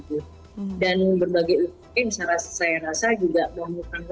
bagi saya rasa juga membutuhkan waktu ya tidak bisa kita sekaligus selesai pada dalam negara yang terlalu pendek